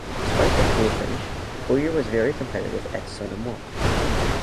Despite the poor finish, Bowyer was very competitive at Sonoma.